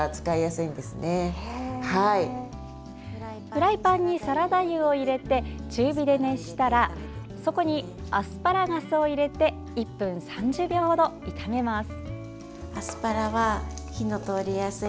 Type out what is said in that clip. フライパンにサラダ油を入れて中火で熱したらそこにアスパラガスを入れて１分３０秒ほど炒めます。